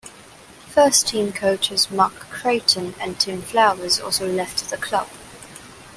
First team coaches Mark Creighton and Tim Flowers also left the club.